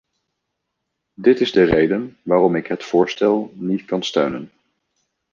Dit is de reden waarom ik het voorstel niet kan steunen.